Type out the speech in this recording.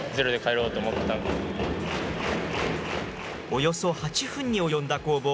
およそ８分に及んだ攻防。